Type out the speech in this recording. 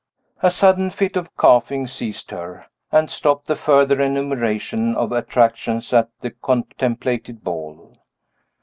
A sudden fit of coughing seized her, and stopped the further enumeration of attractions at the contemplated ball.